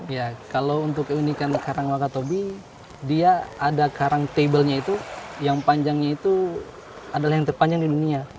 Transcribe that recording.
ya kalau untuk keunikan karang wakatobi dia ada karang table nya itu yang panjangnya itu adalah yang terpanjang di dunia